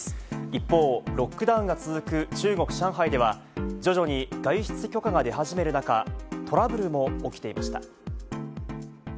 一方、ロックダウンが続く中国・上海では、徐々に外出許可が出始める中、トラブルも起きていました。